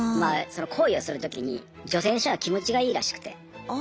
その行為をするときに女性の人は気持ちがいいらしくて。